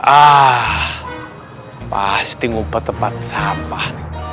ah pasti ngumpul tempat sampah